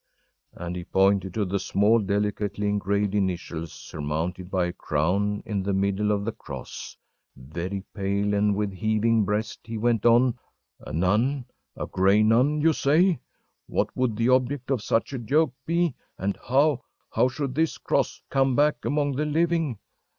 ‚ÄĚ And he pointed to the small, delicately engraved initials, surmounted by a crown, in the middle of the cross. Very pale and with heaving breast he went on: “A nun, a gray nun, you say? What would the object of such a joke be? and how how should this cross come back among the living?